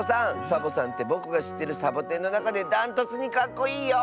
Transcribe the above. サボさんってぼくがしってるサボテンのなかでだんとつにかっこいいよ！